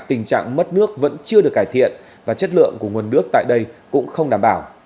tình trạng mất nước vẫn chưa được cải thiện và chất lượng của nguồn nước tại đây cũng không đảm bảo